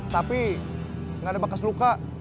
tapi nggak ada bekas luka